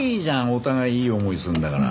お互いいい思いするんだから。